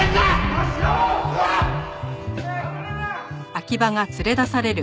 暴れるな！